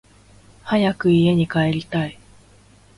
早く家に帰りたい